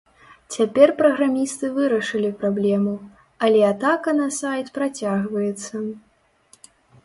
Цяпер праграмісты вырашылі праблему, але атака на сайт працягваецца.